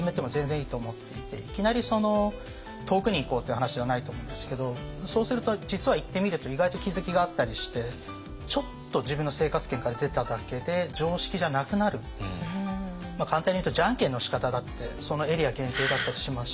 いきなり遠くに行こうっていう話ではないと思うんですけどそうすると実は行ってみると意外と気付きがあったりしてちょっと簡単に言うとじゃんけんのしかただってそのエリア限定だったりしますし。